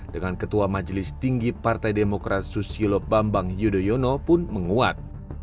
dengan ketua majelis tinggi partai demokrat susilo bambang yudhoyono pun menguat